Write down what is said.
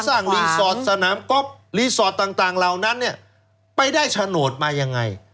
สร้างลีสอร์ตสนามก๊อบลีสอร์ตต่างเหล่านั้นไปได้โฉนดมายังไง